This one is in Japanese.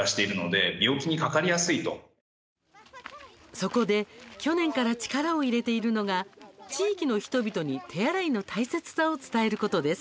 そこで去年から力を入れているのが地域の人々に手洗いの大切さを伝えることです。